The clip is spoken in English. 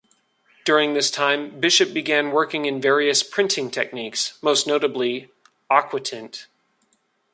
During this time, Bishop began working in various printing techniques, most notably aquatint.